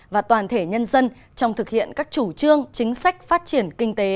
và toàn thể nhân dân trong thực hiện các chủ trương chính sách phát triển kinh tế